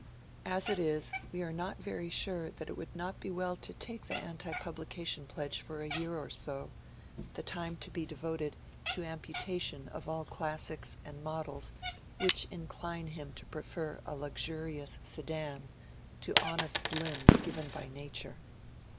As it is, we are not WILLIAM DEAN HOWELLS 309 very sure that it would not be well to take the anti publioa tion pledge for a year or so, the time to be devoted to ampu tation of all classics and models which incline him to prefer a luxurious sedan to honest limbs given by nature."